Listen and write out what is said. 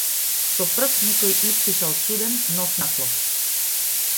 Со прст некој испишал чуден, нов наслов.